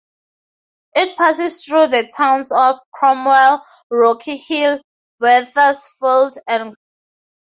It passes through the towns of Cromwell, Rocky Hill, Wethersfield, and Glastonbury.